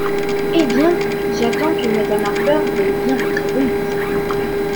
Hé bien, j'attends que madame Harper veuille bien me prévenir.